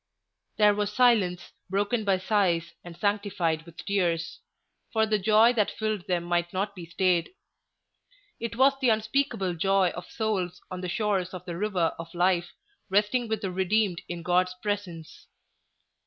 There was silence, broken by sighs and sanctified with tears; for the joy that filled them might not be stayed. It was the unspeakable joy of souls on the shores of the River of Life, resting with the Redeemed in God's presence.